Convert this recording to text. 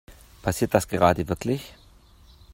Passiert das gerade wirklich?